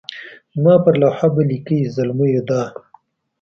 زما پر لوحه به لیکئ زلمیو دا.